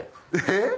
えっ？